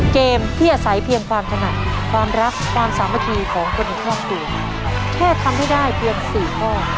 เกมที่อาศัยเพียงความถนัดความรักความสามัคคีของคนในครอบครัวแค่ทำให้ได้เพียง๔ข้อ